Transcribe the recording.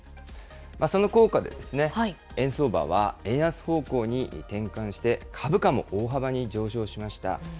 その効果で円相場は円安方向に転換して、株価も大幅に上昇しました。